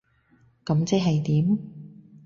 噉即係點？